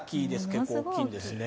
結構大きいんです。